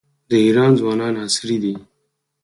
د ایران ځوانان عصري دي.